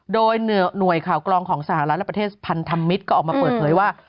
โดยหน่วยข่าวกรองของสหรัฐและประเทศพันธมิตรก็ออกมาเปิดเผยว่า